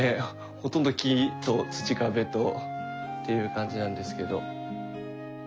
ほとんど木と土壁とっていう感じなんですけど。